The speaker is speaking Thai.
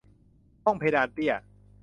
ห้องเพดานเตี้ย